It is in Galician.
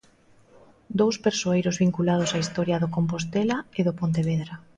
Dous persoeiros vinculados á historia do Compostela e do Pontevedra.